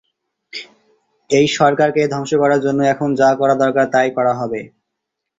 এই সরকারকে ধ্বংস করার জন্য এখন যা করা দরকার তাই করা হবে।